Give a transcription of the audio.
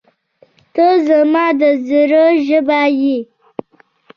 • ته زما د زړه ژبه یې.